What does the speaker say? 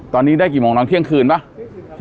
ตอนนี้ได้กี่โมงน้องเที่ยงคืนปะเที่ยงคืนครับ